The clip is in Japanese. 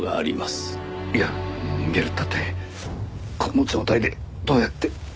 いや逃げるっていったってこの状態でどうやって。